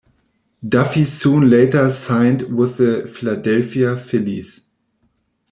Duffy soon later signed with the Philadelphia Phillies.